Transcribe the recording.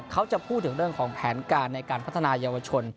เขาจะพูดถึงเรื่องของแผนการในการพัฒนายาวชน